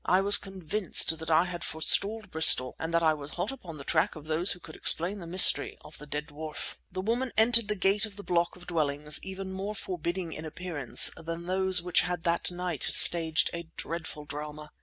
I was convinced that I had forestalled Bristol and that I was hot upon the track of those who could explain the mystery of the dead dwarf. The woman entered the gate of the block of dwellings even more forbidding in appearance than those which that night had staged a dreadful drama.